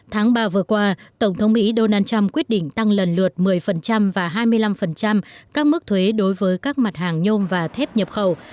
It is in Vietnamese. tháng ba vừa qua tổng thống mỹ donald trump quyết định tăng lần lượt một mươi và hai mươi năm các mức thuế đối với các mặt hàng nhôm và thép nhập khẩu